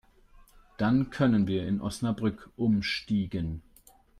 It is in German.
Dann können wir in Osnabrück umstiegen